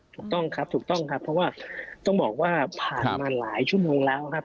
ถูกต้องครับถูกต้องครับเพราะว่าต้องบอกว่าผ่านมาหลายชั่วโมงแล้วครับ